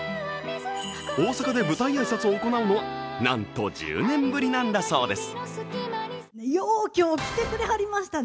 大阪で舞台挨拶を行うのはなんと１０年ぶりなんだそうです。